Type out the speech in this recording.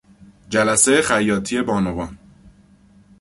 جلسهی خیاطی بانوان